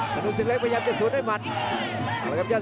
กระโดยสิ้งเล็กนี่ออกกันขาสันเหมือนกันครับ